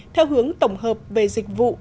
theo hướng tổng hợp về dịch vụ